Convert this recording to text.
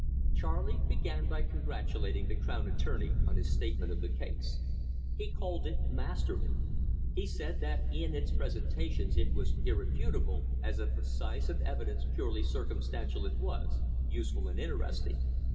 Charley began by congratulating the crown attorney on his statement of the case. He called it masterly; he said that in its presentations it was irrefutable; as a precis of evidence purely circumstantial it was useful and interesting.